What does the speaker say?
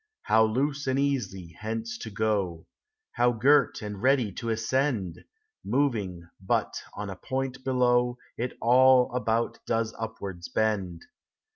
How loose and easy hence to go! How girt and ready to ascend! Moving but on a point below. It all about does upwards bend.